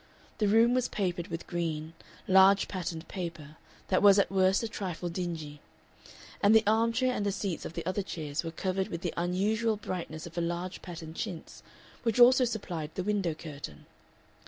The room was papered with green, large patterned paper that was at worst a trifle dingy, and the arm chair and the seats of the other chairs were covered with the unusual brightness of a large patterned chintz, which also supplied the window curtain.